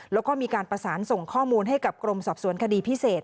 แล้วก็มีการประสานส่งข้อมูลให้กับกรมสอบสวนคดีพิเศษ